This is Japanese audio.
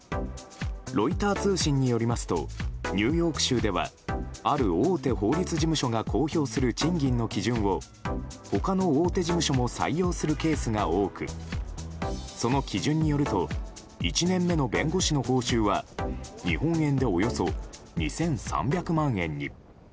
ロイター通信によりますとニューヨーク州ではある大手法律事務所が公表する賃金の基準を他の大手事務所も採用するケースが多くその基準によると１年目の弁護士の報酬は日本円で、およそ２３００万円に。